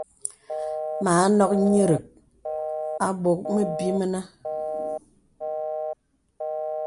Mə anɔk nyìrìk a bɔk məbì mənə.